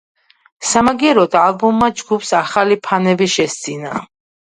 სამაგიეროდ ალბომმა ჯგუფს ახალი ფანები შესძინა.